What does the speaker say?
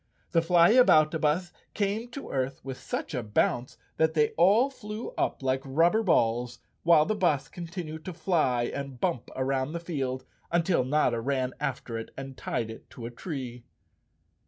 The Flyaboutabus came to earth with such a bounce that they all flew up like rubber balls, while the bus continued to fly and bump around the field until Notta ran after it and tied it to a tree.